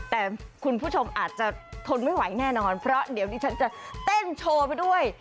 แต่คุณผู้ชมอาจจะทนไม่ไหวแน่นอนเพราะเดี๋ยวนี้ฉันจะเต้นโชว์ไปด้วย